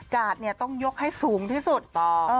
กาดเนี่ยต้องยกให้สูงที่สุด